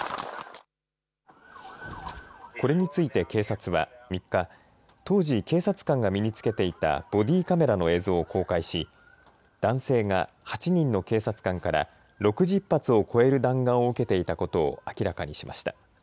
これについて警察は３日、当時、警察官が身につけていたボディーカメラの映像を公開し男性が８人の警察官から６０発を超える弾丸を受けていたことを明らかにしました。